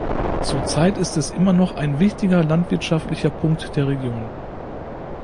Zurzeit ist es immer noch ein wichtiger landwirtschaftlicher Punkt der Region.